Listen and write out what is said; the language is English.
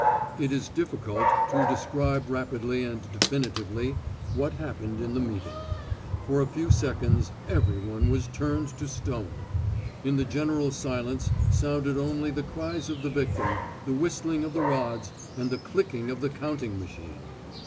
It is difficult to describe rapidly and definitely what happened in the meeting. For a few seconds everyone was turned to stone. In the general silence sounded only the cries of the victim, the whistling of the rods, and the clicking of the counting machine.